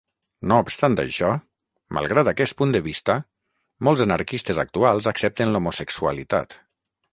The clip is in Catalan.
No obstant això, malgrat aquest punt de vista, molts anarquistes actuals accepten l'homosexualitat.